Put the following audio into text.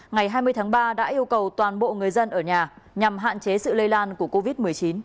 ngày hai mươi tháng ba đã yêu cầu toàn bộ người dân ở nhà nhằm hạn chế sự lây lan của covid một mươi chín